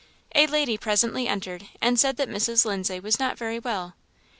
A lady presently entered, and said that Mrs. Lindsay was not very well.